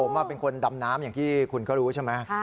ผมเป็นคนดำน้ำอย่างที่คุณก็รู้ใช่ไหม